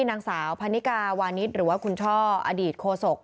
นางสาวพันนิกาวานิสหรือว่าคุณช่ออดีตโฆษก